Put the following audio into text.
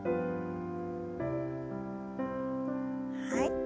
はい。